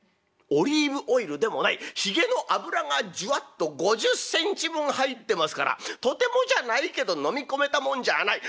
オリーブオイルでもないひげの油がジュワッと５０センチ分入ってますからとてもじゃないけど飲み込めたもんじゃあない。